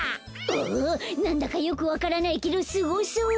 おおなんだかよくわからないけどスゴそう！